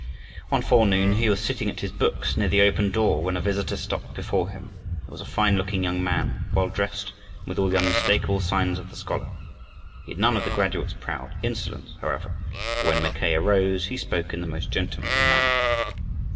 One forenoon he was sitting at his books, near the open door, when a visitor stopped before him. It was a fine looking young man, well dressed and with all the unmistakable signs of the scholar. He had none of the graduate's proud insolence, however, for when Mackay arose, he spoke in the most gentlemanly manner.